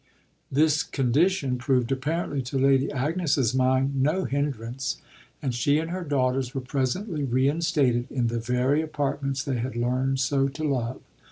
This condition proved apparently to Lady Agnes's mind no hindrance, and she and her daughters were presently reinstated in the very apartments they had learned so to love.